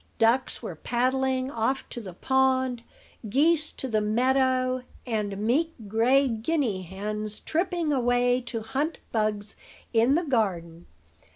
Ducks were paddling off to the pond; geese to the meadow; and meek gray guinea hens tripping away to hunt bugs in the garden.